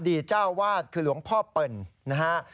เจ้าวาดคือหลวงพ่อเปิ่นนะฮะ